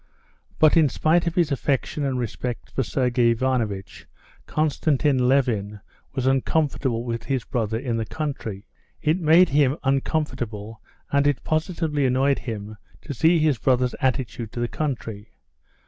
But in spite of his affection and respect for Sergey Ivanovitch, Konstantin Levin was uncomfortable with his brother in the country. It made him uncomfortable, and it positively annoyed him to see his brother's attitude to the country.